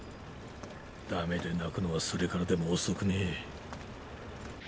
だめで泣くのはそれからでも遅くねえ。